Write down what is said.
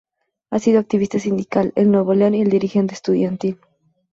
Ha sido activista sindical el Nuevo León y dirigente estudiantil.